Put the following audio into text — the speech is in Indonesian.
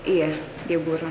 iya dia buron